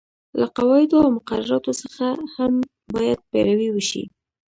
له قواعدو او مقرراتو څخه هم باید پیروي وشي.